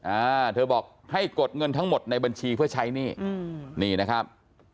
อ่าเธอบอกให้กดเงินทั้งหมดในบัญชีเพื่อใช้หนี้อืมนี่นะครับ